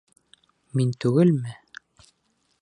Мин түгелме?..